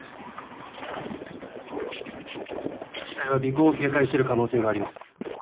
１対は尾行を警戒してる可能性があります。